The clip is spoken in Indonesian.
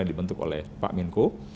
yang dibentuk oleh pak min ko